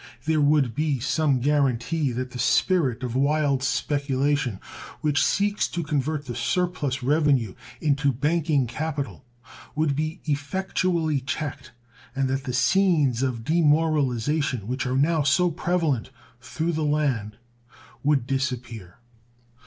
There would be some guaranty that the spirit of wild speculation which seeks to convert the surplus revenue into banking capital would be effectually checked, and that the scenes of demoralization which are now so prevalent through the land would disappear.